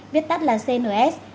viết tắt là cns